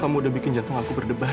kamu udah bikin jantung aku berdebah